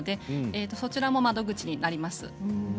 そちらの窓口になります。